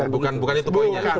bukan itu poinnya